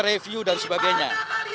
ruu dan sebagainya